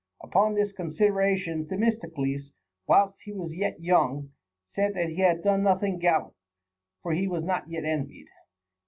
Upon this consideration Themistocles, whilst he was yet young, said that he had done nothing gallant, for he was not yet envied.